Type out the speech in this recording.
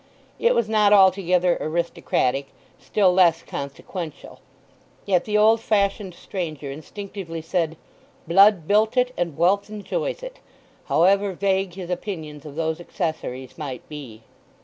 It was not altogether aristocratic, still less consequential, yet the old fashioned stranger instinctively said "Blood built it, and Wealth enjoys it" however vague his opinions of those accessories might be.